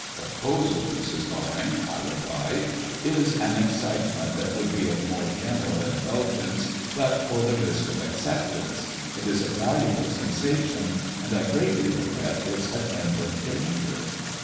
"Proposal, Mrs. Loring," I replied, "is an excitement that would be of more general indulgence but for the risk of acceptance. It is a valuable sensation, and I greatly regret its attendant danger."